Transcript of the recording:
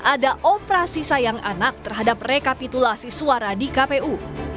ada operasi sayang anak terhadap rekapitulasi suara di kpu